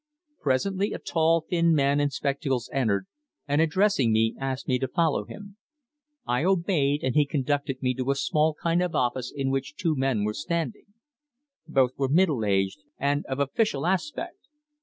Presently a tall thin man in spectacles entered, and addressing me, asked me to follow him. I obeyed, and he conducted me to a small kind of office in which two men were standing. Both were middle aged, and of official aspect.